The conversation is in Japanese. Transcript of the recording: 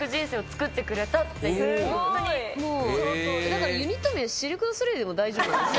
だからユニット名シルク・ドゥ・ソレイユでも大丈夫なんです。